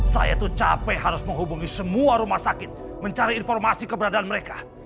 saya itu capek harus menghubungi semua rumah sakit mencari informasi keberadaan mereka